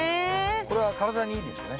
これは体にいいですよね。